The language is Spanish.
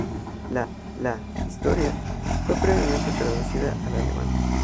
La "Historia" fue previamente traducida al alemán.